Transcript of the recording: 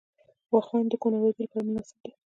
واخان د کوه نوردۍ لپاره مناسب دی